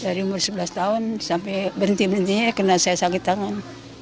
dari umur sebelas tahun sampai berhenti berhentinya kena saya sakit tangan